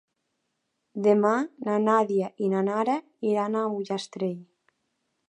Demà na Nàdia i na Nara iran a Ullastrell.